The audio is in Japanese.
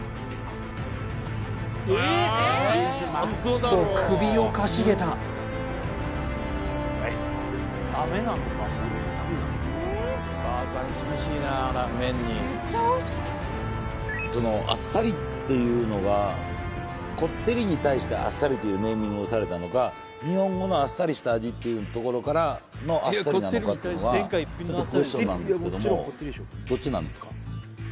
おっと首をかしげたあっさりっていうのはこってりに対してあっさりっていうネーミングをされたのか日本語のあっさりした味っていうところからのあっさりなのかっていうのがちょっとクエスチョンなんですけどもどっちなんですか？